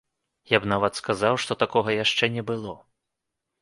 Я б нават сказаў, што такога яшчэ не было.